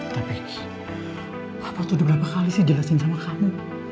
tapi waktu udah berapa kali sih jelasin sama kamu